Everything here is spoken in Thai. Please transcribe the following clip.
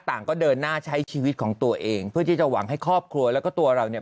ต่างก็เดินหน้าใช้ชีวิตของตัวเองเพื่อที่จะหวังให้ครอบครัวแล้วก็ตัวเราเนี่ย